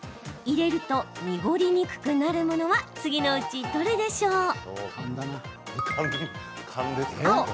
入れると濁りにくくなるものは次のうちどれでしょう？